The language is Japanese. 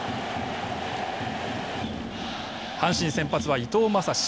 阪神先発は伊藤将司。